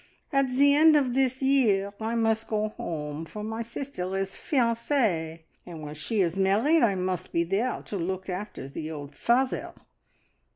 At the end of this year I must go 'ome, for my sister is fiancee, and when she is married I must be there to look after the old father.